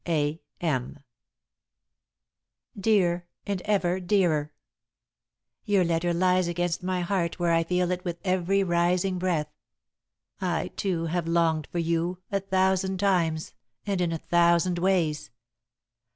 "A. M." "DEAR AND EVER DEARER: "Your letter lies against my heart where I feel it with every rising breath. I, too, have longed for you, a thousand times, and in a thousand ways.